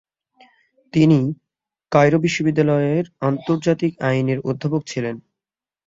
তিনি কায়রো বিশ্ববিদ্যালয়ের আন্তর্জাতিক আইন এর অধ্যাপক ছিলেন।